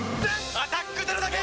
「アタックＺＥＲＯ」だけ！